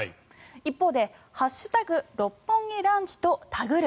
一方で「＃六本木ランチ」とタグる